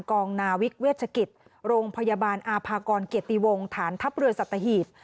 กองนาวิกเวชกิจโรงพยาบาลอาภากรเกียรติวงฐานทัพเรือสัตหีบ